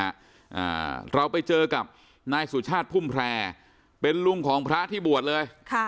อ่าเราไปเจอกับนายสุชาติพุ่มแพร่เป็นลุงของพระที่บวชเลยค่ะ